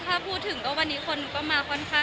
เพราะว่าคืองานหลักของเราก็คือละครใช่ป่ะค่ะ